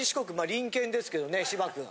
隣県ですけどね芝くん。